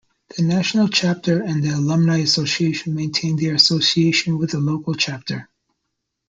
The national chapter and the alumni association maintained their association with the local chapter.